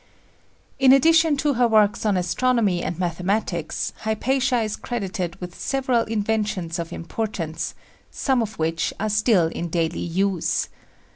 In addition to her works on astronomy and mathematics, Hypatia is credited with several inventions of importance, some of which are still in daily use.